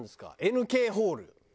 ＮＫホール！？